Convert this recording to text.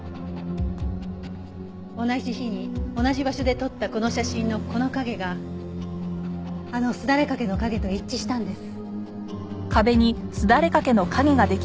同じ日に同じ場所で撮ったこの写真のこの影があのすだれ掛けの影と一致したんです。